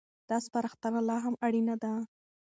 دا سپارښتنه لا هم اړينه ده.